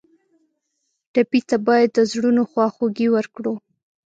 ټپي ته باید د زړونو خواخوږي ورکړو.